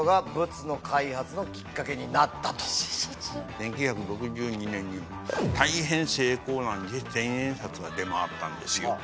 １９６２年に大変精巧な偽千円札が出回ったんですよ。